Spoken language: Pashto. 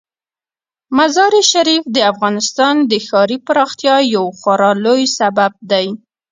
مزارشریف د افغانستان د ښاري پراختیا یو خورا لوی سبب دی.